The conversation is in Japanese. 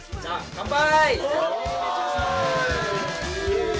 乾杯！